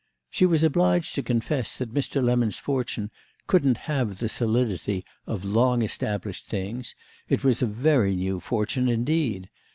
She was obliged to confess that Mr. Lemon's fortune couldn't have the solidity of long established things; it was a very new fortune indeed.